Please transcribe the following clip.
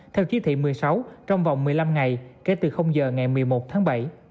theo chí thị một mươi sáu trong vòng một mươi năm ngày kể từ giờ ngày một mươi một tháng bảy